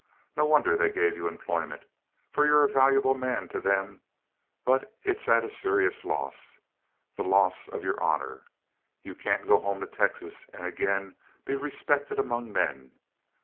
No wonder they gave you employment, for you're a valuable man to them; but it's at a serious loss, the loss of your honor. You can't go home to Texas and again be respected among men.